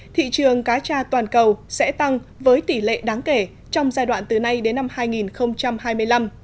thị trường cá tra toàn cầu sẽ tăng với tỷ lệ đáng kể trong giai đoạn từ nay đến năm hai nghìn hai mươi năm